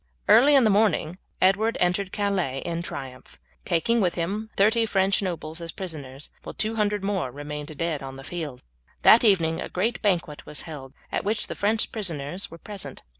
Early in the morning Edward entered Calais in triumph, taking with him thirty French nobles as prisoners, while two hundred more remained dead on the field. That evening a great banquet was held, at which the French prisoners were present.